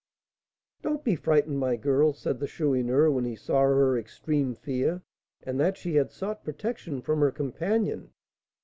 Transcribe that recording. "Don't be frightened, my girl," said the Chourineur, when he saw her extreme fear, and that she had sought protection from her companion.